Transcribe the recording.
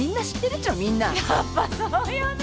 やっぱそうよね。